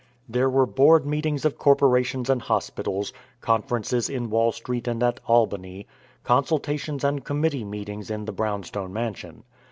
There were board meetings of corporations and hospitals, conferences in Wall Street and at Albany, consultations and committee meetings in the brownstone mansion.